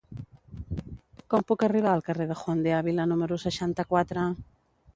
Com puc arribar al carrer de Juan de Ávila número seixanta-quatre?